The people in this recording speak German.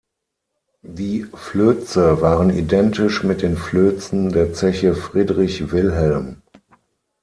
Die Flöze waren identisch mit den Flözen der Zeche Friedrich Wilhelm.